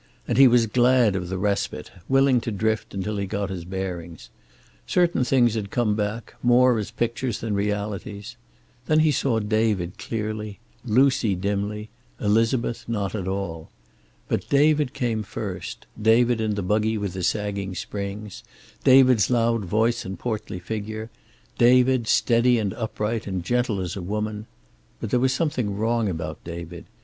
And he was glad of the respite, willing to drift until he got his bearings. Certain things had come back, more as pictures than realities. Thus he saw David clearly, Lucy dimly, Elizabeth not at all. But David came first; David in the buggy with the sagging springs, David's loud voice and portly figure, David, steady and upright and gentle as a woman. But there was something wrong about David.